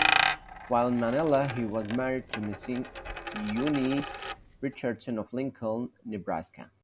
While in Manila he was married to Miss Eunice Richardson of Lincoln, Nebraska.